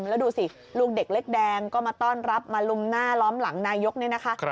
แล้วดูสิลูกเด็กเล็กแดงก็มาต้อนรับมาลุมหน้าล้อมหลังนายกเนี่ยนะคะ